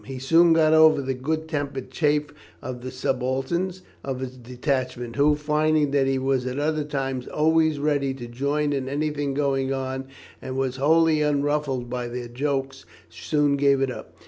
He soon got over the good tempered chaff of the subalterns of his detachment, who, finding that he was at other times always ready to join in anything going on, and was wholly unruffled by their jokes, soon gave it up.